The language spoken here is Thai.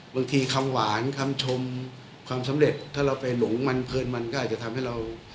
คำหวานคำชมความสำเร็จถ้าเราไปหลงมันเพลินมันก็อาจจะทำให้เรา